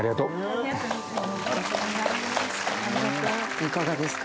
いかがですか？